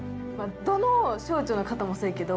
どの省庁の方もそうやけど。